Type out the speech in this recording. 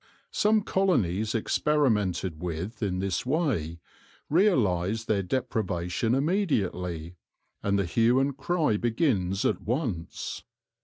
Some colonies experimented with in this way realise their deprivation immediately, and the hue and cry begins at once.